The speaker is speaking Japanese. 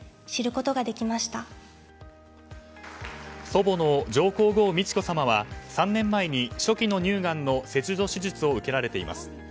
祖母の上皇后・美智子さまは３年前に初期の乳がんの切除手術を受けられています。